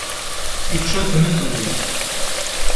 Ičča-ten, iḍelli!